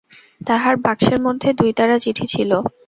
তাহার বাক্সের মধ্যে দুইতাড়া চিঠি ছিল।